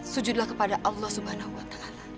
sujudlah kepada allah swt